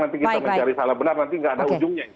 nanti kita mencari salah benar nanti nggak ada ujungnya